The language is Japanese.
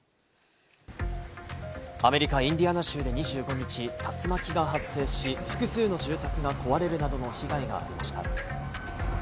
アメリカ・インディアナ州で２５日、竜巻が発生し、複数の住宅が壊れるなどの被害がありました。